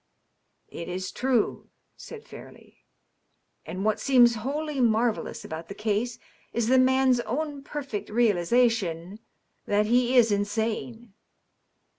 '*^^ It is true," said Fairleigh. ^^ And what seems wholly marvellous about the case is the man's own perfect realization that he is insane.